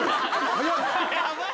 早い。